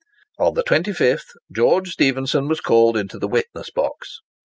On the 25th George Stephenson was called into the witness box.